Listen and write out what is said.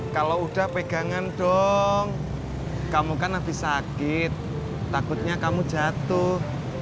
kalau udah pegangan dong kamu kan habis sakit takutnya kamu jatuh